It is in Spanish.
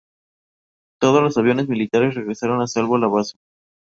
Todos los aviones militares regresaron a salvo a la base.